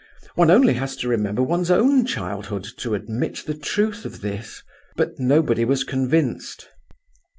One has only to remember one's own childhood to admit the truth of this. But nobody was convinced...